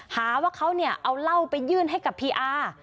หาว่าเขาเนี่ยเอาเหล้าไปยื่นให้กับพีอาร์